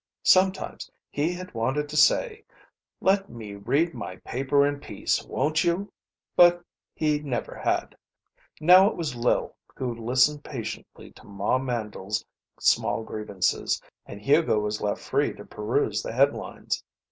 Sometimes he had wanted to say, "Let me read my paper in peace, won't you!" But he never had. Now it was Lil who listened patiently to Ma Mandle's small grievances, and Hugo was left free to peruse the head lines.